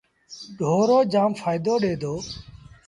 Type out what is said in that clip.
ڍورو جآم ڦآئيدو ڏي دو۔